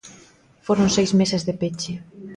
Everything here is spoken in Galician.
Foron seis meses de peche.